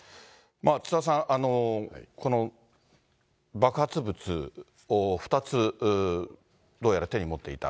津田さん、この爆発物を２つどうやら手に持っていた。